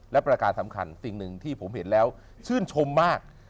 และประการสำคัญสิ่งหนึ่งที่ผมเห็นแล้วชื่นชมมาก